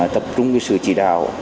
tập trung về sự chỉ đạo